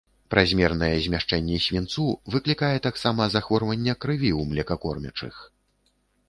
Празмернае змяшчэнне свінцу выклікае таксама захворванні крыві ў млекакормячых.